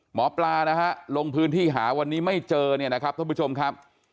หมอปลานะฮะลงพื้นที่หาวันนี้ไม่เจอเนี่ยนะครับท่านผู้ชมครับ